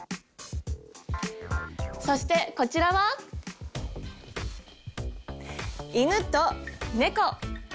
そしてこちらは犬と猫。